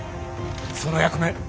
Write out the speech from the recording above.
その役目